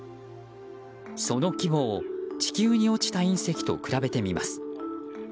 その規模を地球に落ちた隕石と比べてみます。